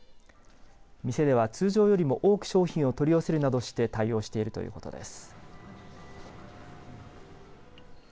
店では通常よりも多く商品を取り寄せるなどして対応しているということです。